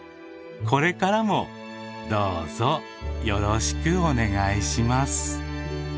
これからもどうぞよろしくお願いします。